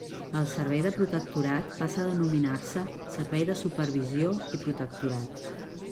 El Servei de Protectorat passa a denominar-se Servei de Supervisió i Protectorat.